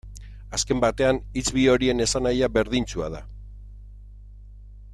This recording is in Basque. Azken batean, hitz bi horien esanahia berdintsua da.